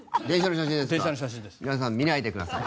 皆さん見ないでください。